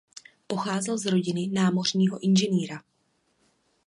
Pocházel z rodiny námořního inženýra.